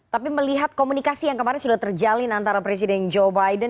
tapi melihat komunikasi yang kemarin sudah terjalin antara presiden joe biden